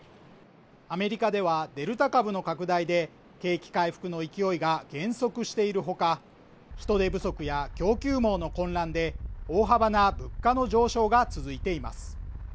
アメリカではデルタ株の拡大で景気回復の勢いが減速しているほか人手不足や供給網の混乱で大幅な物価の上昇が続いています